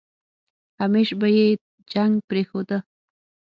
همېش به يې جنګ پرېښوده.